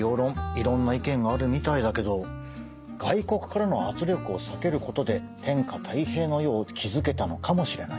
いろんな意見があるみたいだけど外国からの圧力を避けることで天下泰平の世を築けたのかもしれないね。